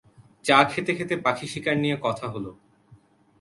চা খেতে-খেতে পাখি শিকার নিয়ে কথা হলো।